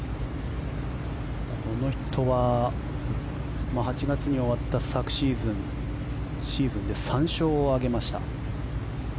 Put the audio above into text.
この人は８月に終わった昨シーズンシーズンで３勝を挙げました。